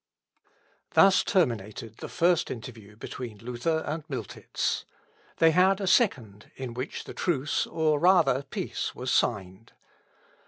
Thus terminated the first interview between Luther and Miltitz. They had a second, in which the truce, or rather peace, was signed.